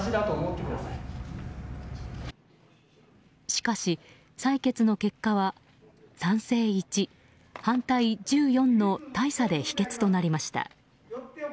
しかし、採決の結果は賛成１、反対１４の大差で否決となりました。